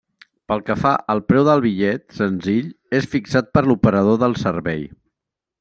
Pel que fa al preu del bitllet senzill és fixat per l'operador del servei.